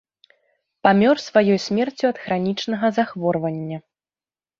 Памёр сваёй смерцю ад хранічнага захворвання.